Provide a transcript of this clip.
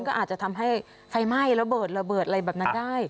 ก็อาจจะทำให้ไฟไหม้ระเบิดระเบิดอะไรแบบนั้นได้